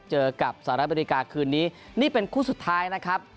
เจอกับสหรัฐอเมริกาคืนนี้นี่เป็นคู่สุดท้ายนะครับ